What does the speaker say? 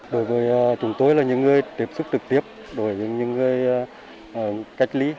đối với chúng tôi là những người tiếp xúc trực tiếp đối với những người cách ly